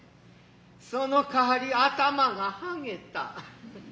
そのかはり頭が兀げた。